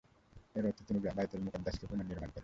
এর অর্থ— তিনি বায়তুল মুকাদ্দাসকে পুনঃনির্মাণ করেন।